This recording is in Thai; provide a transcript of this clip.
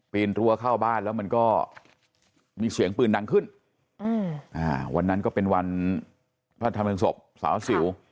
รั้วเข้าบ้านแล้วมันก็มีเสียงปืนดังขึ้นวันนั้นก็เป็นวันพระธรรมศพสาวสิว